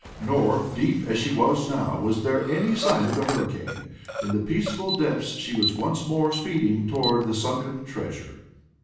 Nor, deep as she was now, was there any sign of the hurricane. In the peaceful depths she was once more speeding toward the sunken treasure.